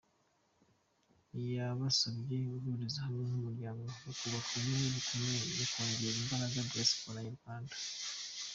Yabasabye guhuriza hamwe nk’umuryango bakubaka ubumwe bukomeye mu kongerera imbaraga Diaspora nyarwanda.